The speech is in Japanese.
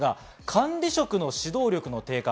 管理職の指導力の低下。